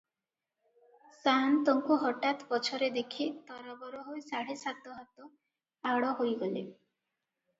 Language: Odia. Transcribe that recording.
ସାଆନ୍ତଙ୍କୁ ହଠାତ୍ ପଛରେ ଦେଖି ତରବର ହୋଇ ସାଢ଼େ ସାତହାତ ଆଡ଼ ହୋଇଗଲେ